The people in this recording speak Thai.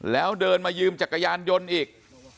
แล้วเดินมายืมจักรยานยนต์อีก